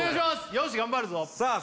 よし頑張るぞさあ